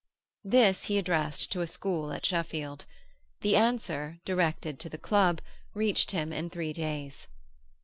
This he addressed to a school at Sheffield. The answer, directed to the club, reached him in three days.